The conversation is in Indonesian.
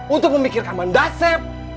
untuk memikirkan mendasep